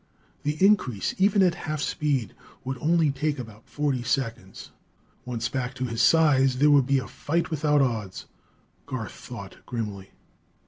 The increase, even at half speed, would only take about forty seconds. Once back to his size there would be a fight without odds, Garth thought grimly.